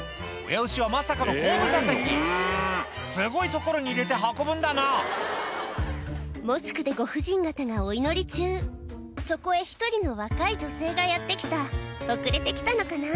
親牛はまさかの後部座席すごい所に入れて運ぶんだなモスクでご婦人方がお祈り中そこへ１人の若い女性がやって来た遅れて来たのかな？